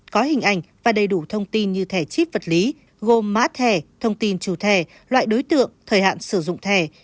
có hình ảnh và đầy đủ thông tin như thẻ chip vật lý gồm mã thẻ thông tin chủ thẻ loại đối tượng thời hạn sử dụng thẻ